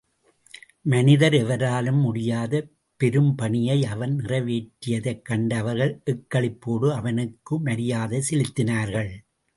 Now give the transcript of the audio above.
மனிதர் எவராலும் முடியாத பெரும்பணியை அவன் நிறைவேற்றியதைக் கண்ட அவர்கள், எக்களிப்போடு அவனுக்கு மரியாதை செலுத்தினார்கள்.